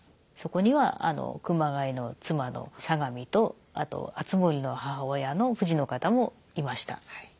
そこには熊谷の妻の相模とあと敦盛の母親の藤の方もいました。